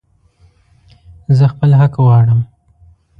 زه خپل حق غواړم